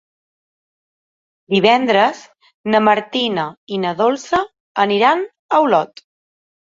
Divendres na Martina i na Dolça aniran a Olot.